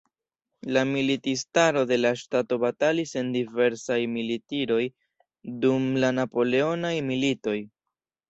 La militistaro de la ŝtato batalis en diversaj militiroj dum la Napoleonaj Militoj.